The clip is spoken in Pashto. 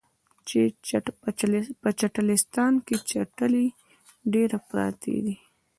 په چټلستان کې چټلۍ ډیرې پراتې دي